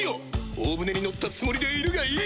大船に乗ったつもりでいるがいい！